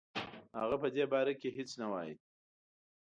هغه په دې باره کې هیڅ نه وايي.